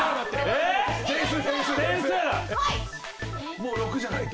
もう６じゃないと。